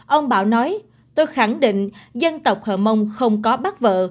ông bảo nói tôi khẳng định dân tộc hồng mông không có bắt vợ